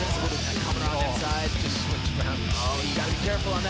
สวัสดีครับ